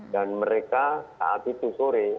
dan mereka saat itu sore